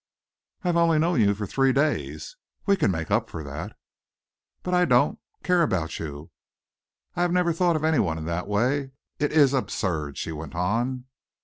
"I have only known you for three days." "We can make up for that." "But I don't care about you. I have never thought of any one in that way. It is absurd," she went on.